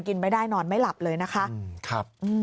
กินไม่ได้นอนไม่หลับเลยนะคะ